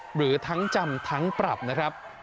หรือทั้งจำทั้งปรับนะครับ